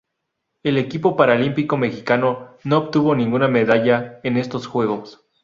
El equipo paralímpico mexicano no obtuvo ninguna medalla en estos Juegos.